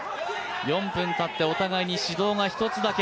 ４分たってお互いに指導が１つだけ。